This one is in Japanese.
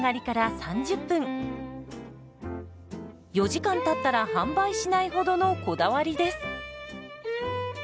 ４時間たったら販売しないほどのこだわりです。